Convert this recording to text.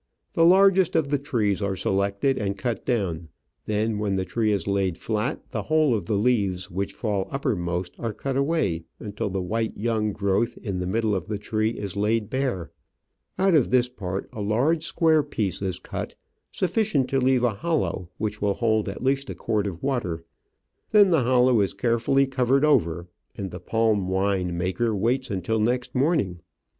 The largest of the trees are selected and cut down ; then, when the tree is laid flat, the whole of the leaves which fall uppermost are cut away until the white young growth in the middle of the tree is laid bare. Out of this part a large, square piece is cut, sufficient to leave a hollow which will hold at least a quart of water ; then the hollow is carefully covered over and the palm wine maker waits until next morn ing.